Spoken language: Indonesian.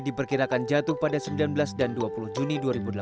diperkirakan jatuh pada sembilan belas dan dua puluh juni dua ribu delapan belas